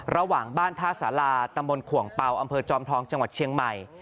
ระหว่างบ้านท่าสาราตำบลขวงเป่าอำเภอจอมทองจังหวัดเชียงใหม่